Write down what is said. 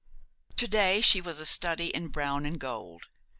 To day she was a study in brown and gold.